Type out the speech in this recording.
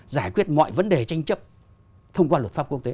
giải quyết mọi vấn đề tranh chấp thông qua luật pháp quốc tế